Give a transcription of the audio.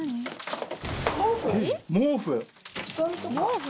毛布？